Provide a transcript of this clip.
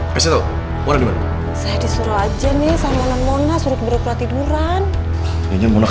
kalo gitu bi bantuin deh